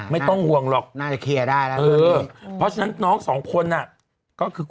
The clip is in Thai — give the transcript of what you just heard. ไม่ต้องห่วงหรอก